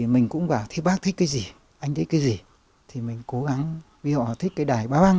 mình cũng bảo thế bác thích cái gì anh thấy cái gì thì mình cố gắng vì họ thích cái đài ba văng